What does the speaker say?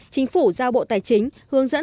chính phủ giao bộ tài chính hướng dẫn